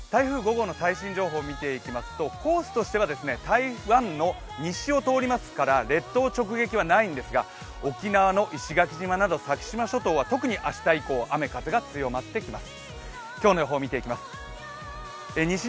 台風５号の最新情報を見ていきますと、コースとしては台湾の西を通りますから列島直撃はないんですが、沖縄の石垣島など先島諸島は特に明日以降、雨風が強まってきます。